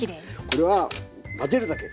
これは混ぜるだけ。